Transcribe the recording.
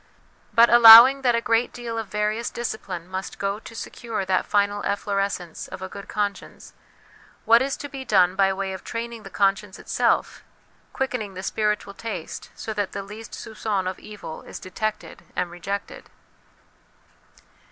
But allowing that a great deal of various discipline must go to secure that final efflorescence of a good conscience, what is to be done by way of training the conscience itself, quickening the spiritual taste so that the least soup^on of evil is detected and rejected